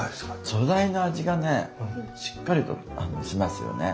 素材の味がねしっかりとしますよね。